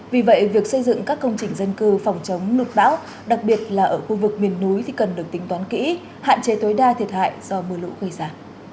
vì vậy việc xây dựng các công trình dân cư phòng chống lụt bão đặc biệt là ở khu vực miền núi thì cần được tính toán kỹ hạn chế tối đa thiệt hại do mưa lũ gây ra